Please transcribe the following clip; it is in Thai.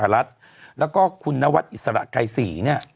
รัฐแล้วก็คุณนวัดอิสระไกรศรีเนี่ย